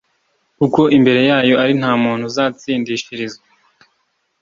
kuko imbere yayo ari nta muntu uzatsindishirizwa